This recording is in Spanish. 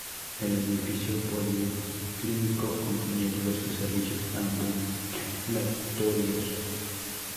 El edificio Policlínico contenía diversos servicios ambulatorios.